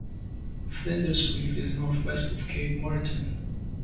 Flinders Reef is north-west of Cape Moreton.